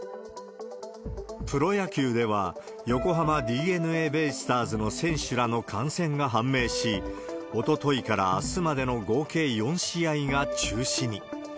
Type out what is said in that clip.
プロ野球では、横浜ＤｅＮＡベイスターズの選手らの感染が判明し、おとといからあすまでの合計４試合が中止に。